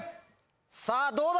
さぁどうだ？